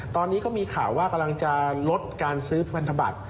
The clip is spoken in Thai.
ตอนนี้ก็มีข่าวว่ากำลังจะลดการซื้อพันธบัตร